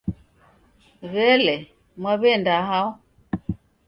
W'elee, Mwaw'enda hao?